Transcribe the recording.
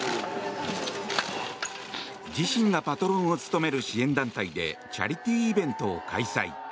自身がパトロンを務める支援団体でチャリティーイベントを開催。